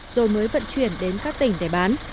rồi mới vận chuyển đến các tỉnh để bán